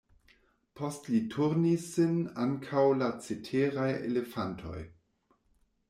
Post li turnis sin ankaŭ la ceteraj elefantoj.